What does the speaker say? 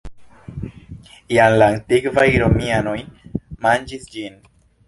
Jam la antikvaj romianoj manĝis ĝin.